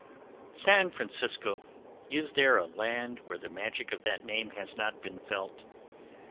San Francisco! Is there a land where the magic of that name has not been felt?